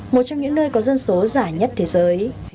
một trong những nơi có dân số giả nhất thế giới